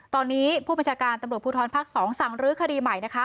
ตอนนี้ผู้บัญชาการตำรวจภูทรภาค๒สั่งรื้อคดีใหม่นะคะ